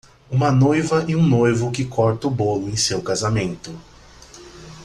Uma noiva e um noivo que corta o bolo em seu casamento.